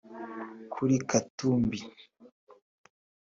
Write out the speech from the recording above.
Kuri Katumbi